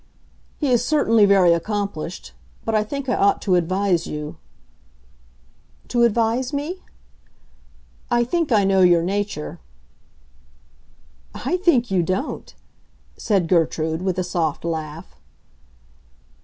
"He is certainly very accomplished. But I think I ought to advise you." "To advise me?" "I think I know your nature." "I think you don't," said Gertrude, with a soft laugh.